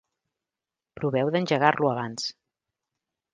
Proveu d'engegar-lo abans.